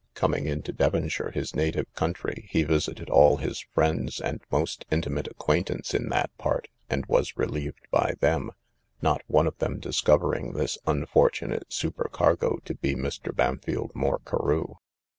Coming into Devonshire, his native country, he visited all his friends and most intimate acquaintance in that part, and was relieved by them, not one of them discovering this unfortunate supercargo to be Mr. Bampfylde Moore Carew.